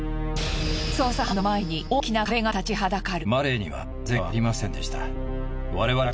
捜査班の前に大きな壁が立ちはだかる。